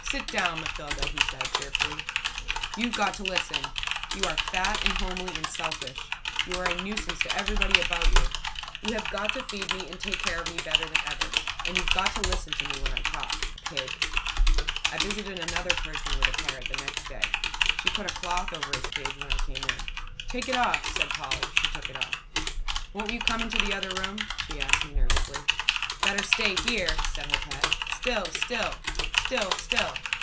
"Sit down, Mathilda!" he said, cheerfully. "You've got to listen. You are fat and homely and selfish. You are a nuisance to everybody about you. You have got to feed me and take care of me better than ever and you've got to listen to me when I talk. Pig!" I visited another person with a parrot the next day. She put a cloth over his cage when I came in. "Take it off!" said Polly. She took it off. "Won't you come into the other room?" she asked me, nervously. "Better stay here!" said her pet. "Sit still sit still!"